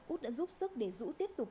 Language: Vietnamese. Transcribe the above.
út đã giúp sức để dũ tiếp tục